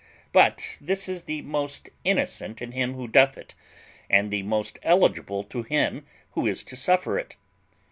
But this is the most innocent in him who doth it, and the most eligible to him who is to suffer it.